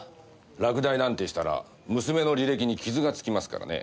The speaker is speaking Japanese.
落第なんてしたら娘の履歴に傷がつきますからね。